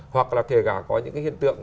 hoặc là kể cả có những cái hiện tượng